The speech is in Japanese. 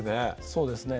そうですね